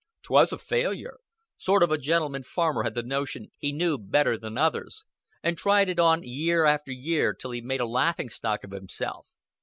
"'Twas a failure. Sort of a gentleman farmer had the notion he knew better than others, and tried it on year after year till he made a laughing stock of himself.